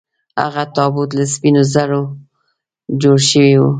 هغه تابوت له سپینو زرو جوړ شوی و.